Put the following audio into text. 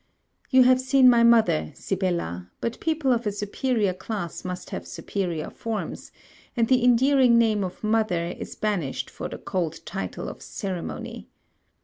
You have seen my mother, Sibella, but people of a superior class must have superior forms; and the endearing name of mother is banished for the cold title of ceremony.